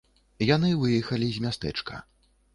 Яны выехалі з мястэчка.